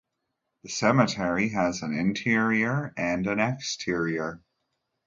The cemetery has an interior and an exterior.